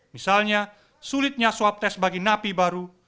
misalnya sulitnya swab tes bagi napi baru